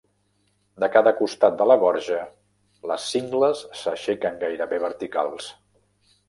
De cada costat de la Gorja, les cingles s'aixequen gairebé verticals.